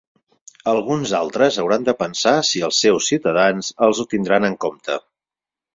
Alguns altres hauran de pensar si els seus ciutadans els ho tindran en compte.